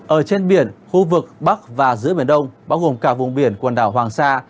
ở trên biển khu vực bắc và giữa biển đông bao gồm cả vùng biển quần đảo hoàng sa